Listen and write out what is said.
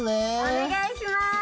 お願いします。